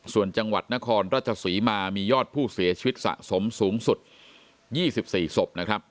ส่วนจังหวัดนครราชศรีมามียอดผู้เสียชีวิตสะสมสูงสุด๒๔ศพนะครับ